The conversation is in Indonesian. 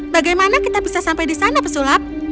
bagaimana kita bisa sampai di sana pesulap